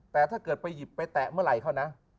แต่ถ้าเกิดไปหยิบไปแตะเมื่อไหร่เขานะ